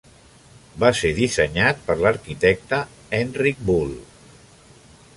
Va ser dissenyat per l'arquitecte Henrik Bull.